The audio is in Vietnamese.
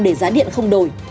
để giá điện không đổi